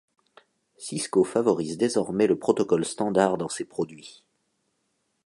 Cisco favorise désormais le protocole standard dans ses produits.